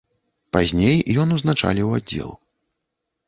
Пазней ён узначаліў аддзел.